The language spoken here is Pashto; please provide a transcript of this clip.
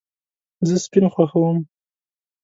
زه سپین خوښوم